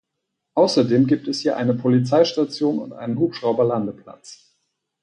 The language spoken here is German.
Außerdem gibt es hier eine Polizeistation und einen Hubschrauberlandeplatz.